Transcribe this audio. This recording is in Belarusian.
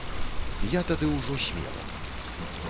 Я тады ўжо смела.